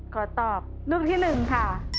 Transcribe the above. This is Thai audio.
ขอตอบลูกที่หนึ่งค่ะ